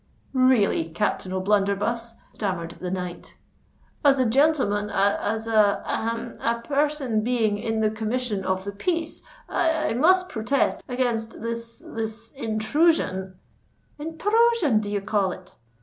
"Really, Captain O'Blunderbuss," stammered the knight, "as a gentleman—as a—ahem—a person being in the Commission of the Peace—I—must protest against—this—this intrusion——" "Inthrusion do ye call it?"